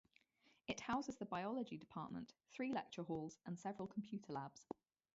It houses the Biology department, three lecture halls, and several computer labs.